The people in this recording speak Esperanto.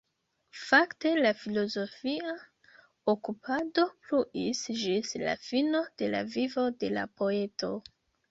Fakte la filozofia okupado pluis ĝis la fino de la vivo de la poeto.